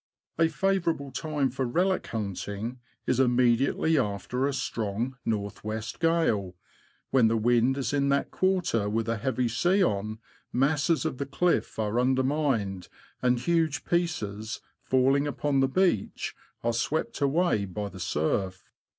A favourable time for relic hunting is immediately after a strong north west gale. When the wind is in that quarter, with a heavy sea on, masses of the cliff are undermined, and huge pieces, falling upon the beach, are swept away by the surf.